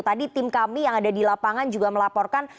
tadi tim kami yang ada di lapangan juga melaporkan